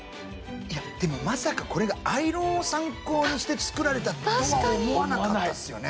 いやでもまさかこれがアイロンを参考にして作られたとは思わなかったですよね。